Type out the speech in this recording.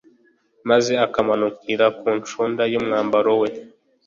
maze akamanukira ku ncunda z’umwambaro we